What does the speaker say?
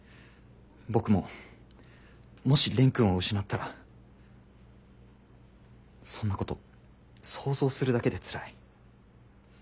僕ももし蓮くんを失ったらそんなこと想像するだけでつらい。